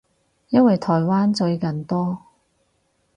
因為台灣最近多